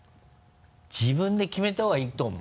自分で決めたほうがいいと思う。